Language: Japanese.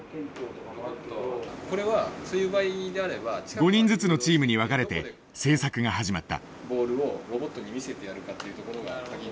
５人ずつのチームに分かれて製作が始まった。